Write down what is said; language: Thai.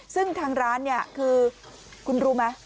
ซึ่งทางร้านเนี่ยคือคุณรู้ไหม